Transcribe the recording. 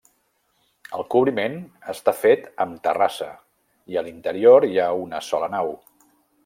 El cobriment està fet amb terrassa i a l'interior hi ha una sola nau.